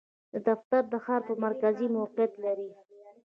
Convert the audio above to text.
دفتر د ښار په مرکز کې موقعیت لری